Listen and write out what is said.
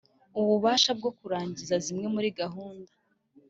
ububasha bwo kurangiza zimwe muri gahunda